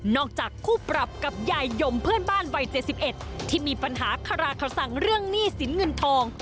จากคู่ปรับกับยายยมเพื่อนบ้านวัย๗๑ที่มีปัญหาคาราคสังเรื่องหนี้สินเงินทอง